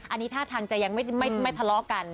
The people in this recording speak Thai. อันนี้ท่าทางจะยังไม่ทะเลาะกัน